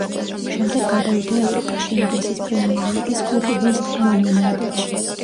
შემდეგ გადავიდა ევროპაში, ინგლისის პრემიერ ლიგის კლუბ „ვესტ ჰემ იუნაიტედში“.